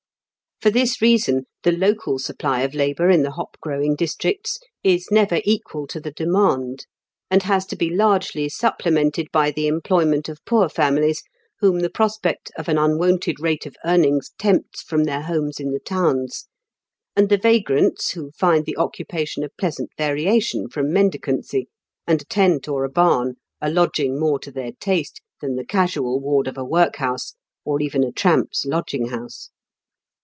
For tliis reason, the local supply of labour in the hop growing districts is never equal to the demand, and has to be largely supplemented by the employment of poor families whom the prospect of an unwonted rate of earnings tempts from their homes in the towns, and the vagrants who find the occupation a pleasant variation from mendicancy, and a tent or a bam a lodging more to their taste than the casual ward of a workhouse, or even a tramps' lodging house.